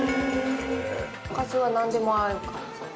おかずはなんでも合う感じで？